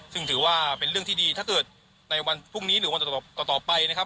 ซึ่งถือว่าเป็นเรื่องที่ดีถ้าเกิดในวันพรุ่งนี้หรือวันต่อไปนะครับ